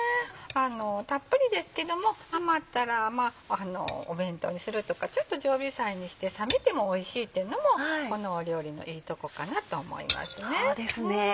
たっぷりですけども余ったらお弁当にするとかちょっと常備菜にして冷めてもおいしいっていうのもこの料理のいいとこかなと思いますね。